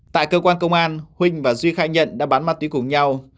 tại cơ quan công an huynh và duy khai nhận đã bán ma túy cùng nhau